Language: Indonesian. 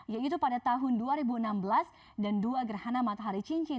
yaitu pada tahun dua ribu enam belas dan dua gerhana matahari cincin